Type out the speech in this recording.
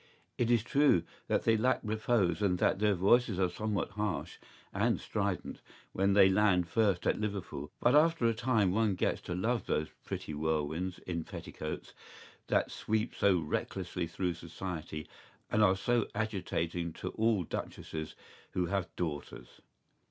¬Ý It is true that they lack repose and that their voices are somewhat harsh and strident when they land first at Liverpool; but after a time one gets to love those pretty whirlwinds in petticoats that sweep so recklessly through society and are so agitating to all duchesses who have daughters.